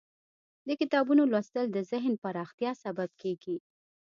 د کتابونو لوستل د ذهن پراختیا سبب کیږي.